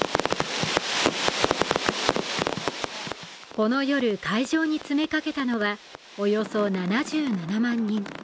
この夜、会場に詰めかけたのはおよそ７７万人。